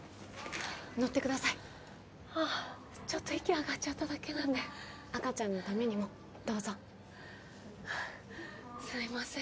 乗ってくださいあっちょっと息上がっちゃっただけなんで赤ちゃんのためにもどうぞすいません